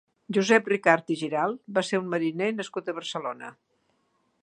Josep Ricart i Giralt va ser un mariner nascut a Barcelona.